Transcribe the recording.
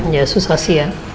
ya susah sih ya